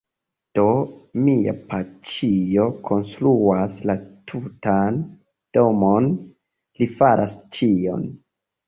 Do, mia paĉjo konstruas la tutan domon, li faras ĉion